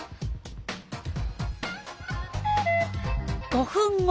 ５分後。